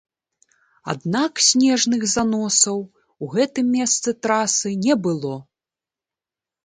Аднак снежных заносаў у гэтым месцы трасы не было.